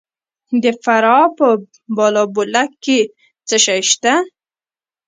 د فراه په بالابلوک کې څه شی شته؟